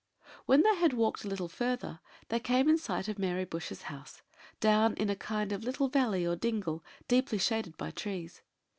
When they had walked a little farther, they came in sight of Mary Bush's house, down in a kind of little valley or dingle, deeply shaded by trees.